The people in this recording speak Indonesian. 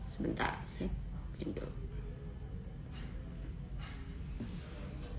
sebentar saya pindah